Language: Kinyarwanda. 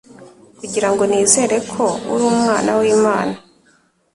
kugira ngo nizere ko uri Umwana w'Imana.